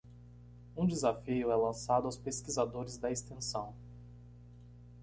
Um desafio é lançado aos pesquisadores da extensão.